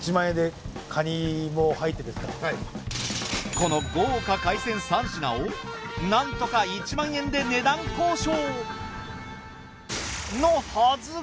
この豪華海鮮３品をなんとか１万円で値段交渉。